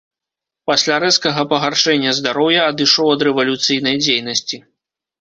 Пасля рэзкага пагаршэння здароўя адышоў ад рэвалюцыйнай дзейнасці.